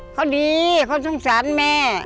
เขาดีเขาสงสารแม่